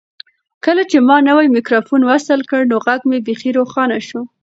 کله چې ما نوی مایکروفون وصل کړ نو غږ مې بیخي روښانه شو.